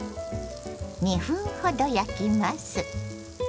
２分ほど焼きます。